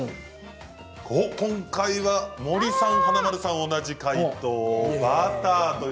今回は森さん華丸さん同じ解答バター。